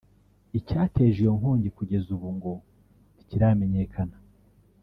Icyateje iyo nkongi kugeza ubu ngo ntikiramenyekana